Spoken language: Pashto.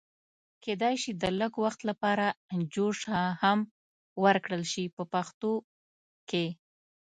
کېدای شي د لږ وخت لپاره جوش هم ورکړل شي په پښتو کې.